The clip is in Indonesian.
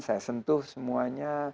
saya sentuh semuanya